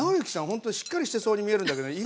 ほんとにしっかりしてそうに見えるんだけどね